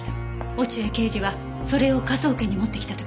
落合刑事はそれを科捜研に持ってきた時。